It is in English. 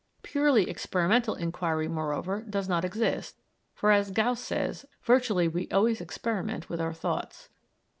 Purely experimental inquiry, moreover, does not exist, for, as Gauss says, virtually we always experiment with our thoughts.